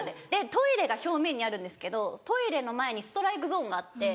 トイレが正面にあるんですけどトイレの前にストライクゾーンがあって。